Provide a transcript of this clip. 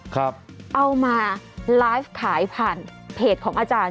เอามาไลฟ์ขายผ่านเพจของอาจารย์